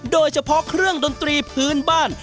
โดยเฉพาะเครื่องดนตรีพื้นบ้าน